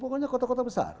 pokoknya kota kota besar